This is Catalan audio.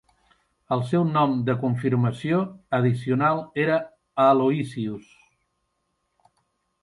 El seu nom de confirmació addicional era Aloysius.